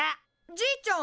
じいちゃん！